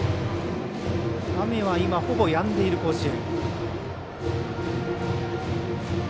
雨は今、ほぼやんでいる甲子園。